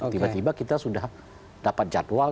tiba tiba kita sudah dapat jadwal